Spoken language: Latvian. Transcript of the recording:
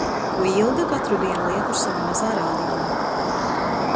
Ko Ilga katru dienu liek uz sava mazā radio.